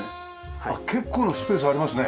結構なスペースありますね。